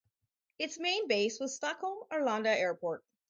Its main base was Stockholm-Arlanda Airport.